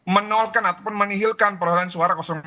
menolkan ataupun menihilkan perusahaan suara dua